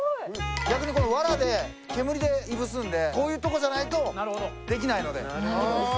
逆に藁で煙でいぶすんでこういうとこじゃないとできないので。